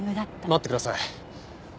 待ってください。